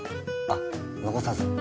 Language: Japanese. あ残さず。